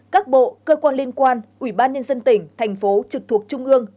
các bộ cơ quan liên quan ủy ban nhân dân tỉnh thành phố trực thuộc trung ương